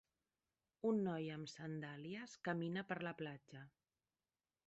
Un noi amb sandàlies camina per la platja.